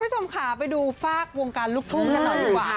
คุณผู้ชมค่ะไปดูฝากวงการลูกทุ่งกันหน่อยดีกว่า